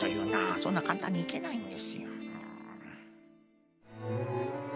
そんなかんたんにいけないんですよ。